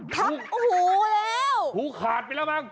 ทับหูแล้วหูขาดไปแล้วบ้าง